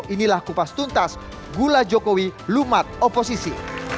inilah kupas tuntas gula jokowi lumat oposisi